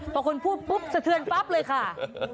พอคนพูดปุ๊บสะเทือนปั๊บเลยค่ะ